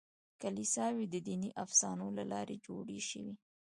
کلیساوې د دیني افسانو له لارې جوړې شوې.